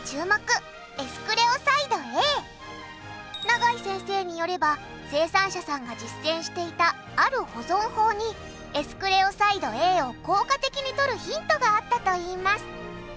永井先生によれば生産者さんが実践していたある保存法にエスクレオサイドＡを効果的にとるヒントがあったといいます。